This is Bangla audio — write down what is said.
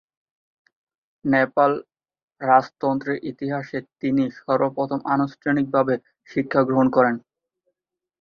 নেপাল রাজতন্ত্রের ইতিহাসে তিনিই প্রথম আনুষ্ঠানিকভাবে শিক্ষাগ্রহণ করেন।